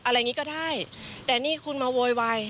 อย่างนี้ก็ได้แต่นี่คุณมาโวยวาย